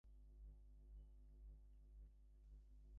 Thomas wrote "Smooth" for his wife, Marisol Maldonado.